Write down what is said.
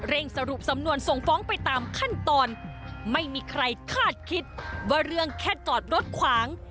สรุปสำนวนส่งฟ้องไปตามขั้นตอนไม่มีใครคาดคิดว่าเรื่องแค่จอดรถขวาง